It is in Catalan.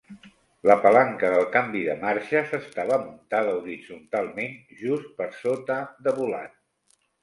La palanca del canvi de marxes estava muntada horitzontalment just per sota de volant.